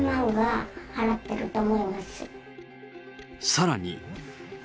７、さらに。